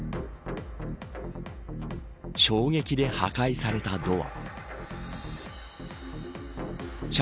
衝撃で破壊されたドア。